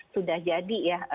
sudah jadi ya